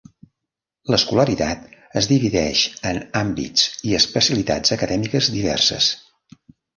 L'escolaritat es divideix en àmbits i especialitats acadèmiques diverses.